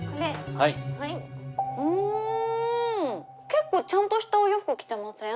結構ちゃんとしたお洋服着てません？